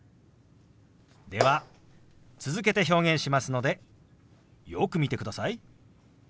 では続けて表現しますのでよく見てください。